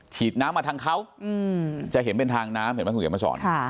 ฉีดน้ำมาทางเขาจะเห็นเป็นทางน้ำเห็นไหมคุณเขียนมาสอน